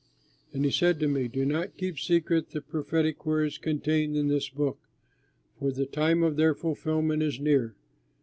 And he said to me: "Do not keep secret the prophetic words contained in this book, for the time of their fulfilment is near.